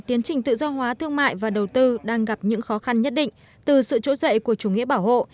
tiến trình tự do hóa thương mại và đầu tư đang gặp những khó khăn nhất định từ sự trỗi dậy của chủ nghĩa bảo hộ